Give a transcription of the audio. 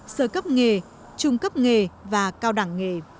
sơ cấp nghề trung cấp nghề và cao đẳng nghề